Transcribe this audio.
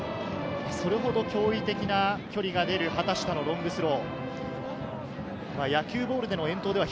それほど驚異的な距離が出る畑下のロングスロー。